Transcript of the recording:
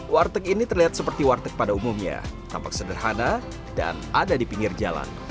warteg ini terlihat seperti warteg pada umumnya tampak sederhana dan ada di pinggir jalan